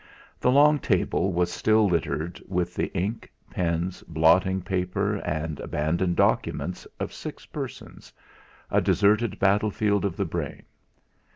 The long table was still littered with the ink, pens, blotting paper, and abandoned documents of six persons a deserted battlefield of the brain.